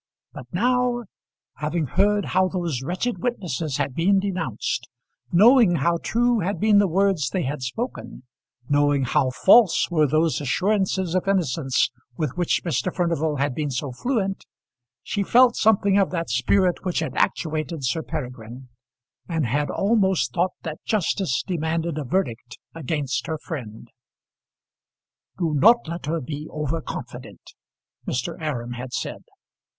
But now, having heard how those wretched witnesses had been denounced, knowing how true had been the words they had spoken, knowing how false were those assurances of innocence with which Mr. Furnival had been so fluent, she felt something of that spirit which had actuated Sir Peregrine, and had almost thought that justice demanded a verdict against her friend. "Do not let her be over confident," Mr. Aram had said.